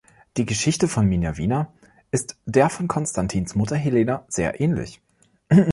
Die Geschichte von Minervina ist der von Konstantins Mutter Helena sehr ähnlich.